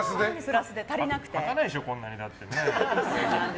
履かないでしょ、こんなに。